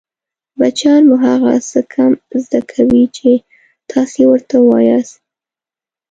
بچیان مو هغه څه کم زده کوي چې تاسې يې ورته وایاست